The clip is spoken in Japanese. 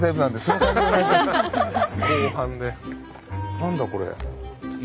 何だこれ？